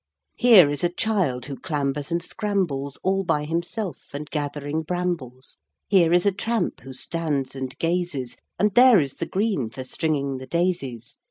Here is a child who clambers and scrambles, All by himself and gathering brambles; Here is a tramp who stands and gazes; And there is the green for stringing the daisies!